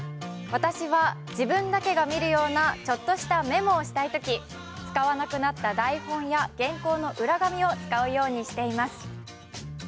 私は自分だけが見るようなちょっとしたメモをしたいとき使わなくなった台本や原稿の裏紙を使うようにしています